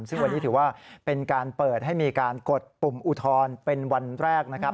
ซึ่งวันนี้ถือว่าเป็นการเปิดให้มีการกดปุ่มอุทธรณ์เป็นวันแรกนะครับ